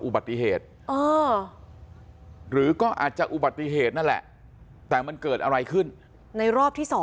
อุบัติเหตุหรือก็อาจจะอุบัติเหตุนั่นแหละแต่มันเกิดอะไรขึ้นในรอบที่๒